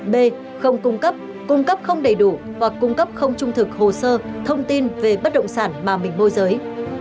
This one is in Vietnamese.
b không cung cấp cung cấp không đầy đủ hoặc cung cấp không trung thực hồ sơ thông tin về bất động sản mà mình môi giới